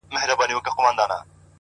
ستا خو صرف خندا غواړم چي تا غواړم؛